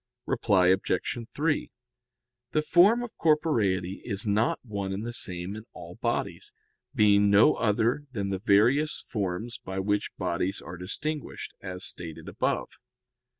Reply Obj. 3: The form of corporeity is not one and the same in all bodies, being no other than the various forms by which bodies are distinguished, as stated above.